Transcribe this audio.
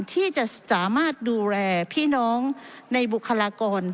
ที่จะสามารถดูแลพี่น้องในบุคลากร